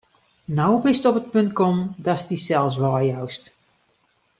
No bist op it punt kommen, datst dysels weijoust.